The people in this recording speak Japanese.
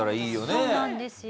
そうなんですよ。